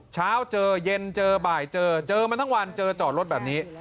เช้าเจอเย็นเจอบ่ายเจอเจอมันทั้งวันเจอจอดรถแบบนี้